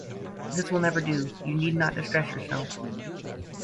This will never do. You need not distress yourself.